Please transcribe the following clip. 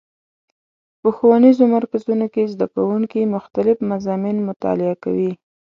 په ښوونیزو مرکزونو کې زدهکوونکي مختلف مضامین مطالعه کوي.